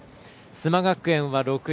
須磨学園は６位。